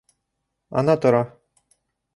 Ана тора...